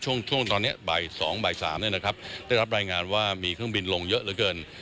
ช่วงตอนนี้บ่าย๒บ่าย๓ได้รับรายงานว่ามีเครื่องบินลงเยอะเหลือเกิน